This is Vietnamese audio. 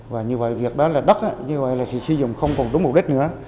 và như vậy việc đó là đất như vậy là sự sử dụng không còn đúng mục đích nữa